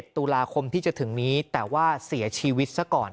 ตุลาคมที่จะถึงนี้แต่ว่าเสียชีวิตซะก่อน